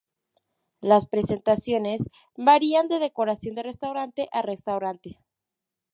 Las presentaciones varían de decoración de restaurante a restaurante.